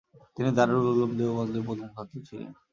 তিনি দারুল উলুম দেওবন্দের প্রথম ছাত্র ছিলেন।